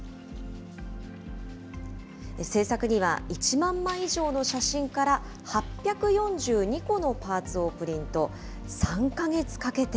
制作には１万枚以上の写真から８４２個のパーツをプリント。